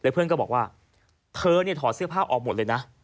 เพื่อนก็บอกว่าเธอเนี่ยถอดเสื้อผ้าออกหมดเลยนะ